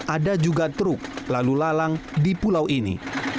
ada juga truk lalu lalang di pulau ini